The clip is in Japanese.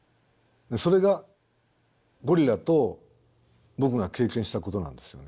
それがゴリラと僕が経験したことなんですよね。